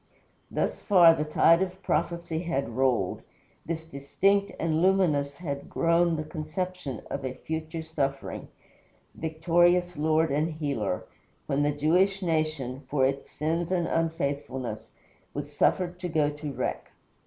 Thus far the tide of prophecy had rolled; thus distinct and luminous had grown the conception of a future suffering, victorious Lord and leader, when the Jewish nation, for its sins and unfaithfulness, was suffered to go to wreck.